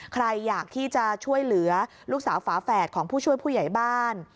ใครอยากที่จะช่วยเหลือลูกสาวฝาแฝดของผู้ช่วยผู้ใหญ่บ้าน